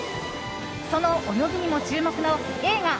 その泳ぎにも注目の映画